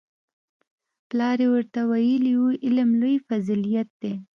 پلار یې ورته ویلي وو علم لوی فضیلت دی